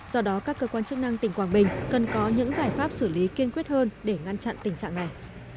do đó các cơ quan chức năng tỉnh quảng bình cần có những giải pháp xử lý kiên quyết hơn để ngăn chặn tình trạng này